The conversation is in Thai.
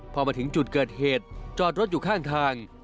พอมาถึงจุดเกิดเหตุจอดรถอยู่ข้างทาง